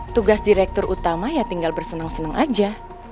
tugas direktur utama ya tinggal bersenang senang aja